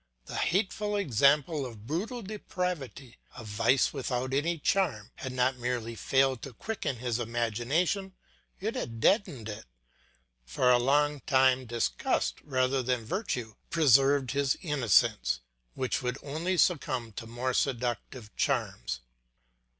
The hateful example of brutal depravity, of vice without any charm, had not merely failed to quicken his imagination, it had deadened it. For a long time disgust rather than virtue preserved his innocence, which would only succumb to more seductive charms.